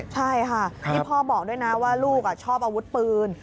ใช่ค่ะนี่พ่อบอกด้วยนะว่าลูกชอบอาวุธปืน